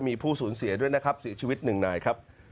มีผู้สูญเสียด้วยนะครับเสียชีวิตหนึ่งนายครับ